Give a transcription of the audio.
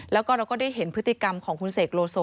แล้วก็เราก็ได้เห็นพฤติกรรมของคุณเสกโลโซ